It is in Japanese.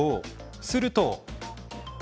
すると。